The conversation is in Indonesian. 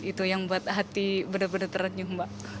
itu yang buat hati benar benar terenyuh mbak